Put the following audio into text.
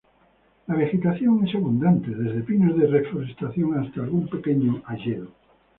La vegetación es abundante, desde pinos de reforestación, hasta algún pequeño hayedo.